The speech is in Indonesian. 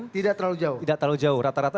tidak terlalu jauh rata rata